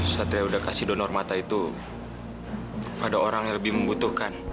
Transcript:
satria sudah kasih donor mata itu pada orang yang lebih membutuhkan